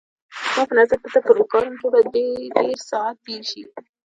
زما په نظر دلته په لوکارنو کې به دې ډېر ساعت تېر شي.